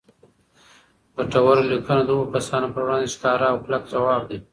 ګټوره لیکنه د هغو کسانو پر وړاندې ښکاره او کلک ځواب دی